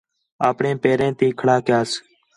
اپݨے پیریں تی کھڑا کیاس